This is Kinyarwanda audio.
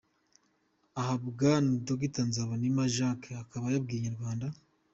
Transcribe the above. Aha Bwana Dr Nzabonimpa Jacques akaba yabwiye Inyarwanda.